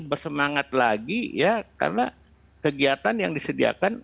bersemangat lagi ya karena kegiatan yang disediakan